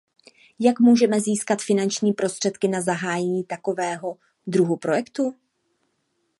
Jak můžeme získat finanční prostředky na zahájení takového druhu projektu?